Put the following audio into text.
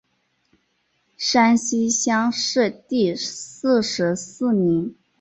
山西乡试第四十四名。